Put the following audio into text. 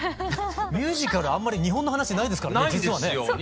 ミュージカルあんまり日本の話ないですからね実はね。